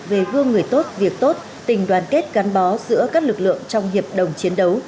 về gương người tốt việc tốt tình đoàn kết gắn bó giữa các lực lượng trong hiệp đồng chiến đấu